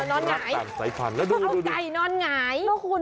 นี่นอนหงายเอาไก่นอนหงาย